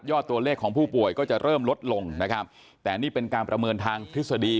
ตัวเลขของผู้ป่วยก็จะเริ่มลดลงนะครับแต่นี่เป็นการประเมินทางทฤษฎี